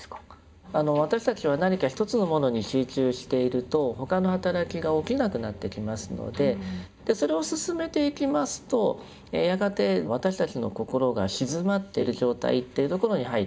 私たちは何か一つのものに集中していると他の働きが起きなくなってきますのでそれを進めていきますとやがて私たちの心が静まってる状態っていうところに入っていきます。